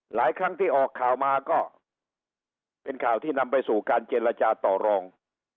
หลายครั้งที่ออกข่าวมาก็เป็นข่าวที่นำไปสู่การเจรจาต่อรอง